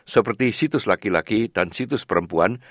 seperti situs laki laki dan situs perempuan